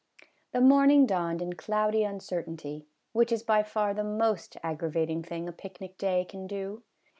The morning dawned in cloudy uncertainty, which is by far the most aggravating thing a pic nic day can do.